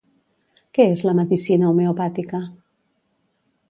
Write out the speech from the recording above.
Què és la medicina homeopàtica?